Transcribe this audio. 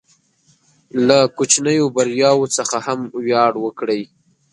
له کوچنیو بریاوو څخه هم ویاړ وکړئ.